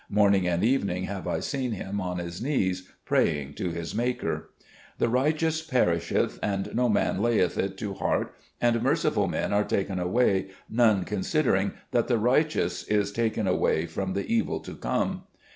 Morning and evening have I seen him on his knees prajdng to his Maker. " 'The righteous perisheth and no man layeth it to heart, and merciful men are taken away, none consider ing that the righteous is taken away from the e vil to come.